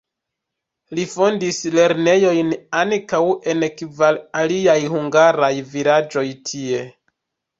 Li fondis lernejojn ankaŭ en kvar aliaj hungaraj vilaĝoj tie.